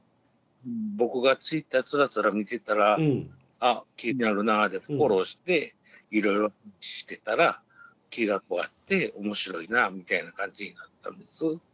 僕がＴｗｉｔｔｅｒつらつら見てたらあ気になるなあでフォローしていろいろしてたら気が合って面白いなみたいな感じになったんです。